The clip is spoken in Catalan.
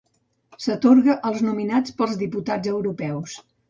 S'atorga als nominats pels diputats europeus.